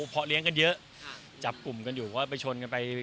เพราะเลี้ยงกันเยอะจับกลุ่มกันอยู่ก็ไปชนกันไป